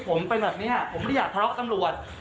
ผมเป็นแบบเนี้ยผมไม่ได้อยากพลาดกับตำลวจ